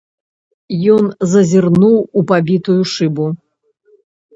Ён зазірнуў у пабітую шыбу.